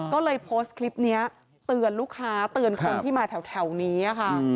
ก็เลยโพสต์คลิปนี้เตือนลูกค้าเตือนคนที่มาแถวนี้ค่ะ